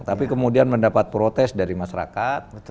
tapi kemudian mendapat protes dari masyarakat